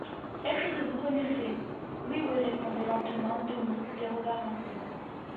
Est-ce que vous connaissez ? Oui, oui, répondait lentement Denise, les regards au loin.